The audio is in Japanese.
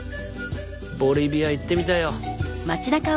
ボリビア行ってみたいよ。